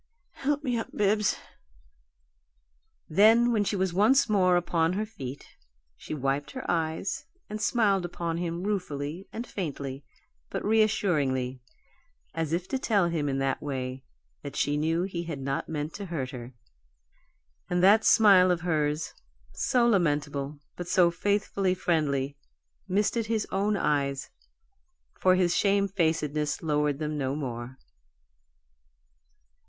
"Help me up, Bibbs." Then, when she was once more upon her feet, she wiped her eyes and smiled upon him ruefully and faintly, but reassuringly, as if to tell him, in that way, that she knew he had not meant to hurt her. And that smile of hers, so lamentable, but so faithfully friendly, misted his own eyes, for his shamefacedness lowered them no more.